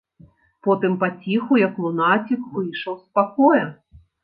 Потым паціху, як лунацік, выйшаў з пакоя.